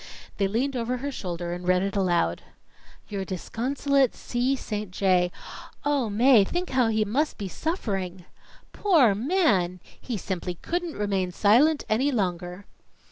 They leaned over her shoulder and read it aloud. "'Your disconsolate C. St. J.' Oh, Mae, think how he must be suffering!" "Poor man!" "He simply couldn't remain silent any longer."